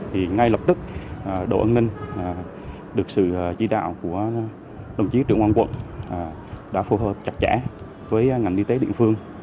thì ngay lập tức đội an ninh được sự chỉ đạo của đồng chí trưởng an quận đã phù hợp chặt chẽ với ngành y tế địa phương